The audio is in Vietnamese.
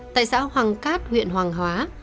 tại xã hoàng cát huyện hoàng hóa